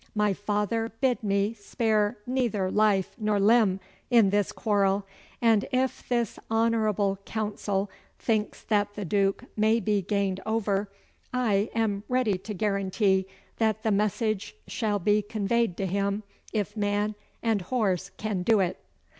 My father bid me spare neither life nor limb in this quarrel, and if this honourable council thinks that the Duke may be gained over, I am ready to guarantee that the message shall be conveyed to him if man and horse can do it.